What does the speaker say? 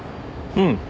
うん。